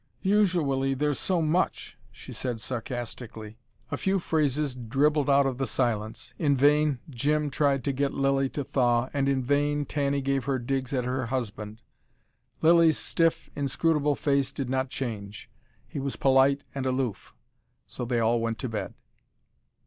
"Usually there's so much," she said sarcastically. A few phrases dribbled out of the silence. In vain Jim, tried to get Lilly to thaw, and in vain Tanny gave her digs at her husband. Lilly's stiff, inscrutable face did not change, he was polite and aloof. So they all went to bed.